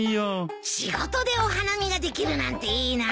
仕事でお花見ができるなんていいな。